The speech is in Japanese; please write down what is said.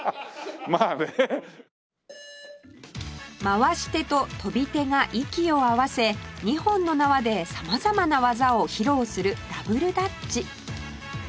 回し手と跳び手が息を合わせ２本の縄で様々な技を披露するダブルダッチ